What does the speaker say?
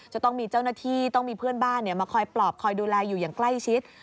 จะต้องมีเจ้าหน้าที่ต้องมีเพื่อนบ้านมาคอยปลอบคอยดูแลอยู่อย่างใกล้ชิด